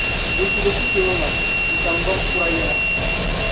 Gutulu ku sooŋa, n-tam wɔbi’ kura yɛla.